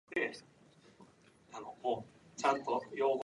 This human god received more sacrifices than all the other god.